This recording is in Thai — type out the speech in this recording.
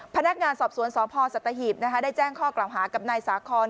พนักงานสอบสวนสพสัตหีบได้แจ้งข้อกล่าวหากับนายสาคอน